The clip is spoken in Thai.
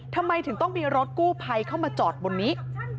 ทำไมถึงต้องมีรถกู้ภัยเข้ามาจอดบนนี้